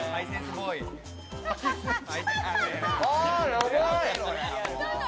やばい！